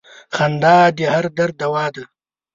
• خندا د هر درد دوا ده.